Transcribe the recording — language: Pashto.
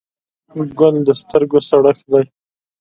ګل د سترګو سړښت دی.